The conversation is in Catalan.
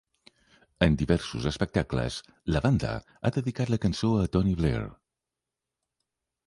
En diversos espectacles, la banda ha dedicat la cançó a Tony Blair.